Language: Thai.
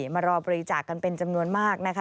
มารอบริจาคกันเป็นจำนวนมากนะคะ